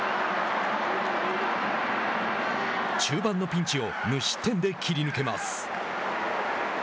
中盤のピンチを無失点で切り抜けます。